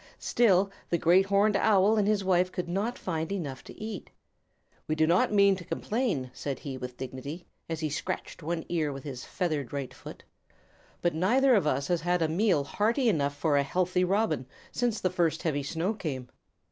Still the Great Horned Owl and his wife could not find enough to eat. "We do not mean to complain," said he with dignity, as he scratched one ear with his feathered right foot, "but neither of us has had a meal hearty enough for a healthy Robin, since the first heavy snow came."